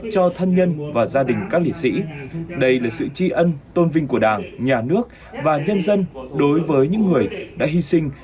cho thân nhân và gia đình các liệt sĩ đây là sự tri ân tôn vinh của đảng nhà nước và nhân dân đối với những người đã hy sinh